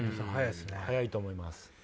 早いと思います。